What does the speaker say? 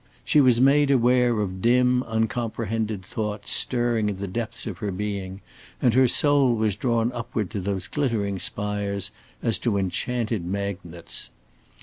She was made aware of dim uncomprehended thoughts stirring in the depths of her being, and her soul was drawn upward to those glittering spires, as to enchanted magnets.